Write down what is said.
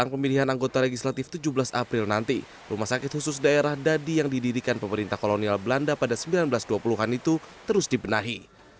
pemilihan anggota legislatif tujuh belas april nanti rumah sakit khusus daerah dadi yang didirikan pemerintah kolonial belanda pada seribu sembilan ratus dua puluh an itu terus dibenahi